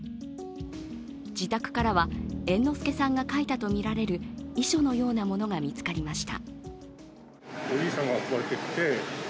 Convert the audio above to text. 自宅からは猿之助さんが書いたとみられる遺書のようなものが見つかりました。